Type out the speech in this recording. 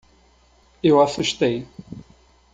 Eu assustei